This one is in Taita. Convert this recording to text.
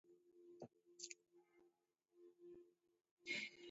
Kughu kwapo kwaw'uadwa ni nganju